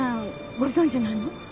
ご存じなの？